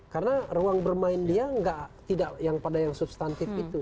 karena ruang bermain dia tidak pada yang substantif itu